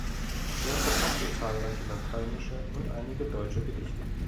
Er verfasste zahlreiche lateinische und einige deutsche Gedichte.